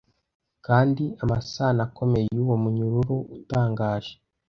Kandi amasano akomeye yuwo munyururu utangaje